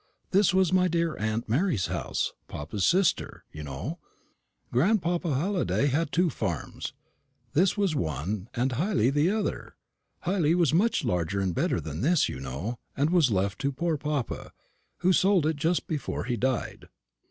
This was my dear aunt Mary's house papa's sister, you know. Grandpapa Halliday had two farms. This was one, and Hyley the other. Hyley was much larger and better than this, you know, and was left to poor papa, who sold it just before he died."